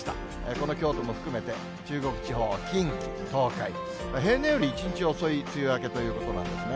この京都も含めて、中国地方、近畿、東海、平年より１日遅い梅雨明けということなんですね。